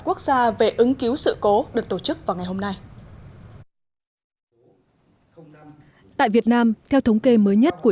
quốc gia về ứng cứu sự cố được tổ chức vào ngày hôm nay tại việt nam theo thống kê mới nhất của